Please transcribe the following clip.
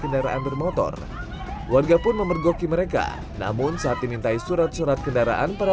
kendaraan bermotor warga pun memergoki mereka namun saat dimintai surat surat kendaraan para